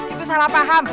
itu salah paham